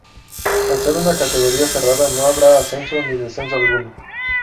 Al ser una categoría cerrada no habrá ascenso ni descenso alguno.